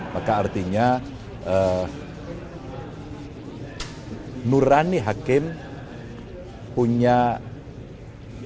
maka artinya nurani hakim punya ruang sehat